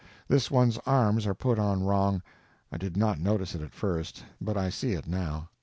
This one's arms are put on wrong. I did not notice it at first, but I see it now.